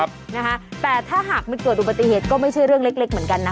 จะขี่เพราะมันสะดวกดีนะฮะแต่ถ้าหากมันเกิดอุบัติเหตุก็ไม่ใช่เรื่องเล็กเหมือนกันนะ